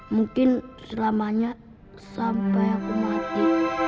mungkin selamanya sampai aku mati